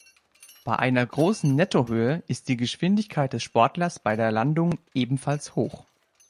Bei einer großen Netto-Höhe ist die Geschwindigkeit des Sportlers bei der Landung ebenfalls hoch.